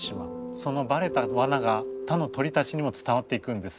そのバレたわなが他の鳥たちにも伝わっていくんです。